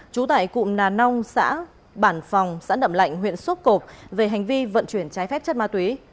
trú tại cụm nà nông xã bản phòng xã nậm lạnh huyện sốp cộp về hành vi vận chuyển trái phép chất ma túy